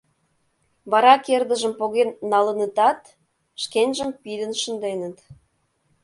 Вара кердыжым поген налынытат, шкенжым пидын шынденыт.